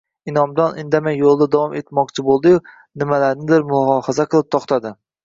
Inomjon indamay yo`lida davom etmoqchi bo`ldi-yu, nimalarnidir mulohaza qilib, to`xtadi